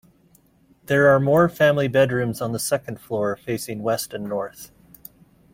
There are more family bedrooms on the second floor facing west and north.